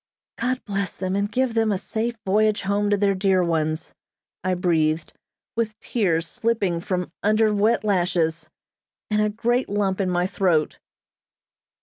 "God bless them, and give them a safe voyage home to their dear ones," I breathed, with tears slipping from under wet lashes, and a great lump in my throat.